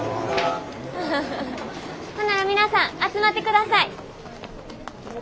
ほんなら皆さん集まってください。